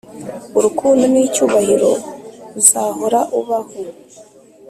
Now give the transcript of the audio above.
urukundo n'icyubahiro uzahora ubaho.